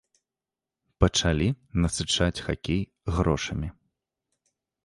Пачалі насычаць хакей грошамі.